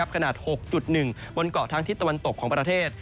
ขนาด๖๑บนเกาะทางทิศตะวันตกของประเทศ